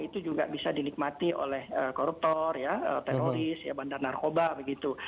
itu juga bisa dinikmati oleh koruptor ya teroris ya bandar narkoba begitu